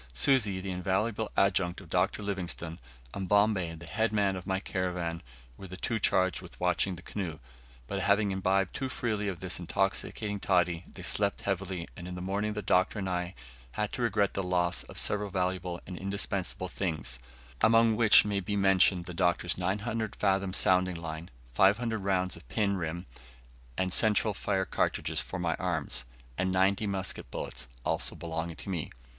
Susi, the invaluable adjunct of Dr. Livingstone, and Bombay, the headman of my caravan, were the two charged with watching the canoe; but, having imbibed too freely of this intoxicating toddy, they slept heavily, and in the morning the Doctor and I had to regret the loss of several valuable and indispensable things; among which may be mentioned the Doctor's 900 fathom sounding line, 500 rounds of pin, rim, and central fire cartridges for my arms, and ninety musket bullets, also belonging to me.